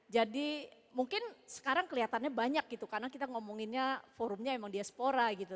jadi mungkin sekarang kelihatannya banyak gitu karena kita ngomonginnya forumnya emang diaspora gitu